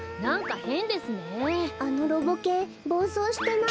あのロボ犬ぼうそうしてない？